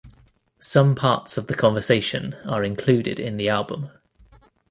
Some parts of the conversation are included in the album.